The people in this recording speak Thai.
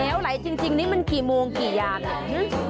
เหลวไหล่จริงจริงนี่มันกี่โมงกี่ยามเนี่ย